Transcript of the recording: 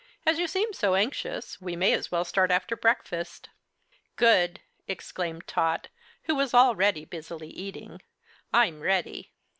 "As you seem so anxious, we may as well start after breakfast." "Good!" exclaimed Tot, who was already busily eating; "I'm ready."